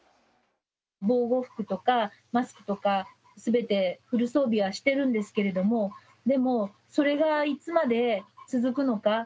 防護服とかマスクとか、すべてフル装備はしてるんですけれども、でも、それがいつまで続くのか。